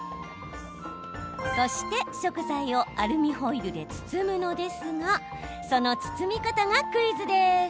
そして、食材をアルミホイルで包むのですがその包み方がクイズです。